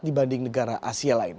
dibanding negara asia lain